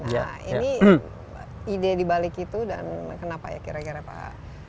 nah ini ide dibalik itu dan kenapa ya kira kira pak